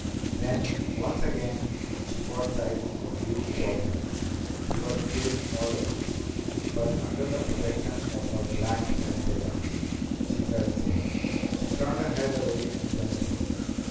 Then, once again, she caught sight of Duke's tall figure. He was peering all around. But under the protection of her black mantilla, she felt safe. She turned her head away and plunged on.